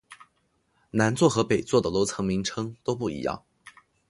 南座和北座的楼层名称都不一样。